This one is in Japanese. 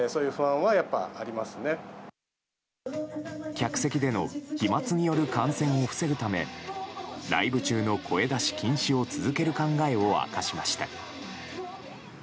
客席での飛沫による感染を防ぐためライブ中の声出し禁止を続ける考えを明かしました。